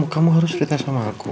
kamu harus cerita sama aku